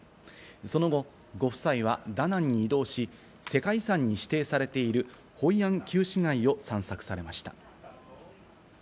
その後、ご夫妻はダナンに移動し、世界遺産に指定されているホイアン旧市街を散策されました。